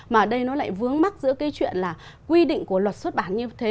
mà ở đây nó lại vướng mắc giữa cái chuyện là quy định của luật xuất bản như thế